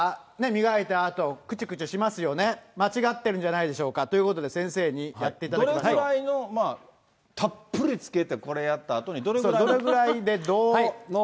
磨いたあと、くちゅくちゅしますよね、間違ってるんじゃないかということで、先生にやっていただどれくらいのたっぷりつけて、これをやったあとに、どれくらいの。